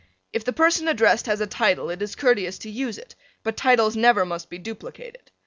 If the person addressed has a title it is courteous to use it, but titles never must be duplicated.